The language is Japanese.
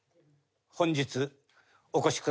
本日お越しくださいました